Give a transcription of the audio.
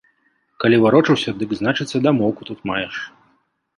Калі варочаўся, дык, значыцца, дамоўку тут маеш.